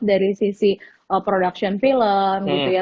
dari sisi production film gitu ya